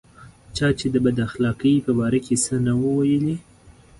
چې چا د بد اخلاقۍ په باره کې څه نه وو ویلي.